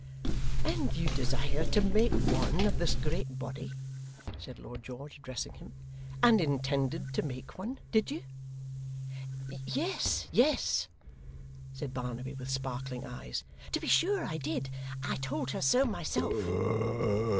'And you desire to make one of this great body?' said Lord George, addressing him; 'and intended to make one, did you?' 'Yes yes,' said Barnaby, with sparkling eyes. 'To be sure I did! I told her so myself.